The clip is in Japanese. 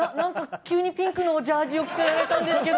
急にピンクのジャージを着せられたんですけど。